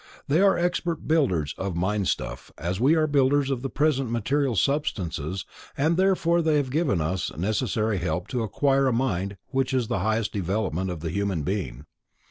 They are expert builders of mind stuff, as we are builders of the present mineral substances and therefore they have given us necessary help to acquire a mind which is the highest development of the human being.